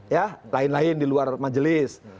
ya lain lain di luar majelis